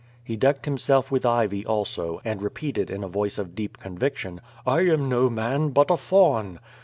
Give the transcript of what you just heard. He decked himself with ivy also, and repeated in a voice of deep conviction: *^I am no man, but a faun."